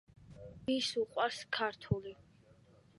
ვის უყვარს ქართული?